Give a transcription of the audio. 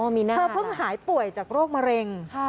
อ๋อมีหน้าค่ะเธอเพิ่งหายป่วยจากโรคมะเร็ง